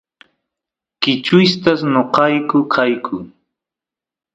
kichwistas noqayku kayku